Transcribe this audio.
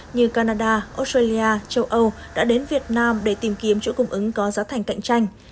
như canada australia châu âu đã đến việt nam để tìm kiếm chuỗi cung ứng có giá thành cạnh tranh